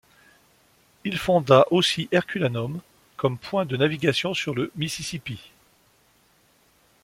Il fonda aussi Herculaneum comme point de navigation sur le Mississippi.